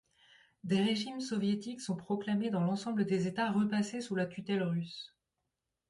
Des régimes soviétiques sont proclamés dans l'ensemble des États repassés sous la tutelle russe.